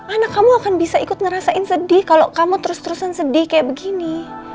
anak kamu akan bisa ikut ngerasain sedih kalau kamu terus terusan sedih kayak begini